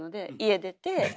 出て。